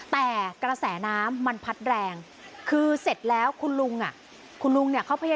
แต่กระแสน้ำมันพัดแรงคือเสร็จแล้วคุณลุงอ่ะคุณลุงเนี่ยเขาพยายาม